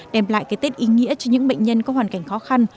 đem lại cái tết ý nghĩa cho những bệnh nhân có hoàn cảnh khó khăn